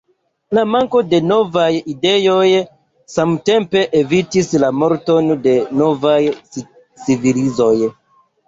La manko de novaj ideoj samtempe evitis la morton de novaj civilizoj.